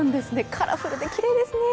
カラフルで、きれいですね。